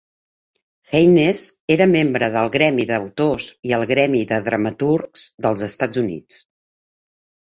Haines era membre del Gremi d'autors i el Gremi de dramaturgs dels Estats Units.